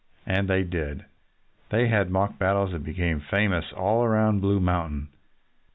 And they did. They had mock battles that became famous all around Blue Mountain.